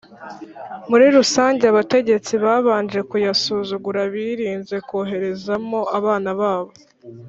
muri rusange abategetsi babanje kuyasuzugura birinze koherezamo abana babo.